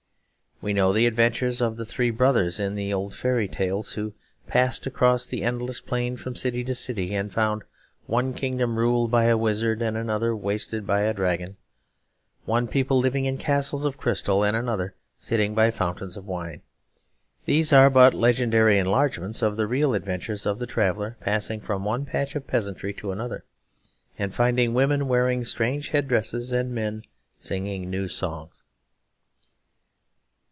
We know the adventures of the three brothers in the old fairy tales who passed across the endless plain from city to city, and found one kingdom ruled by a wizard and another wasted by a dragon, one people living in castles of crystal and another sitting by fountains of wine. These are but legendary enlargements of the real adventures of a traveller passing from one patch of peasantry to another, and finding women wearing strange head dresses and men singing new songs.